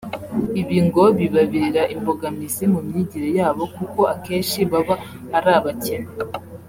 Ibi ngo bibabera imbogamizi mu myigire yabo kuko akenshi baba ari abakene